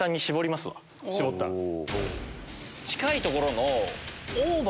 近いところの。